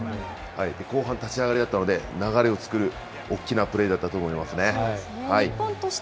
後半立ち上がりだったので、流れを作るおっきなプレーだったと思いますね。